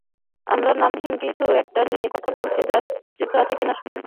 আমরা নামহীন কিছু একটা নিয়ে কথা বলেছি যার অস্তিত্ব আছে কিনা সন্দেহ।